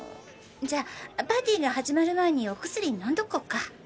じゃあパーティーが始まる前にお薬飲んどこっか。